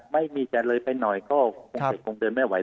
ไม่มีจะเลยไปหน่อยก็พกยังเดินไม่ไหว